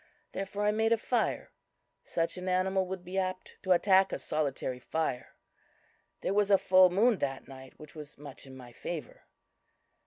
Therefore I made a fire. Such an animal would be apt to attack a solitary fire. There was a full moon that night, which was much in my favor.